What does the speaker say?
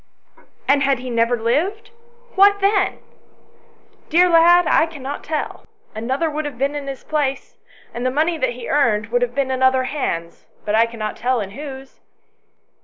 " And had he never lived, what then ?" 132 ANYHOW STORIES. [STORY " Dear lad, I cannot tell : another would have been in his place, and the money that he earned would have been in other hands, but I cannot tell in whose."